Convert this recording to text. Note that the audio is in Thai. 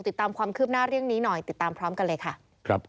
ติดตามความคริบหน้าเร็วนี้นะครับ